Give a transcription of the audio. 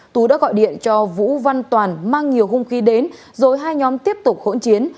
tú đã gọi điện cho vũ văn toàn mang nhiều hung khí đến rồi hai nhóm tiếp tục hỗn chiến